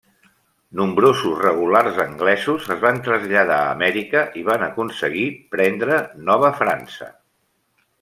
Nombrosos regulars anglesos es van traslladar a Amèrica i van aconseguir prendre Nova França.